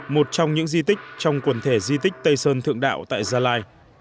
một trong những di tích trong quần thể di tích tây sơn thượng đạo tại gia lai